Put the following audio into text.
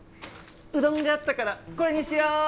うどんがあったからこれにしよう！